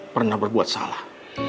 pernah berbuat salah